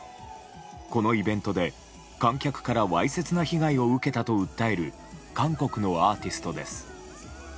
このイベントで観客からわいせつな被害を受けたと訴える韓国のアーティストです。